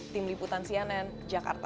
tim liputan cnn jakarta